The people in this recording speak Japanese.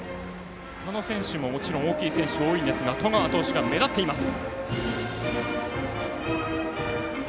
他の選手も大きい選手が多いですが十川投手は目立っています。